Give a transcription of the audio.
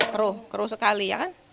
keruh keruh sekali ya kan